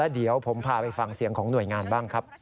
เดี๋ยวผมพาไปฟังเสียงของหน่วยงานบ้างครับ